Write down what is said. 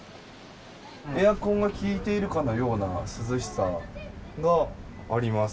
エアコンがきいているかのような涼しさがあります。